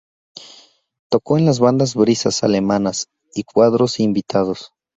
Tocó en las bandas Brisas Alemanas y Cuadros Invitados.